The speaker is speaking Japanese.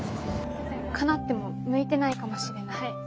かなっても向いてないかもしれない。